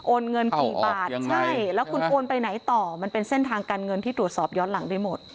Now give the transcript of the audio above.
เงินกี่บาทใช่แล้วคุณโอนไปไหนต่อมันเป็นเส้นทางการเงินที่ตรวจสอบย้อนหลังได้หมด